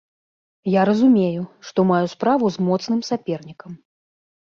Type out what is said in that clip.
Я разумею, што маю справу з моцным сапернікам.